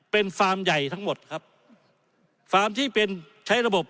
เป็นฟาร์มใหญ่ทั้งหมดครับฟาร์มที่เป็นใช้ระบบ